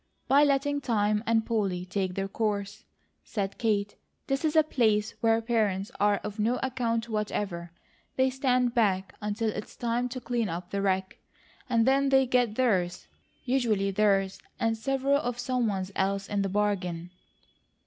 "By letting time and Polly take their course," said Kate. "This is a place where parents are of no account whatever. They stand back until it's time to clean up the wreck, and then they get theirs usually theirs, and several of someone's else, in the bargain."